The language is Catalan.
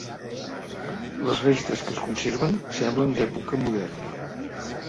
Les restes que es conserven semblen d'època moderna.